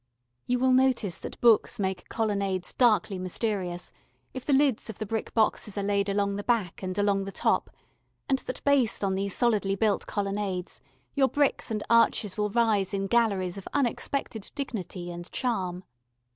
You will notice that books make colonnades darkly mysterious if the lids of the brick boxes are laid along the back and along the top, and that based on these solidly built colonnades your bricks and arches will rise in galleries of unexpected dignity and charm.